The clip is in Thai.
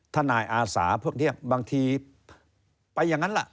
ทนายอาสาพวกนี้บางทีไปอย่างนั้นล่ะ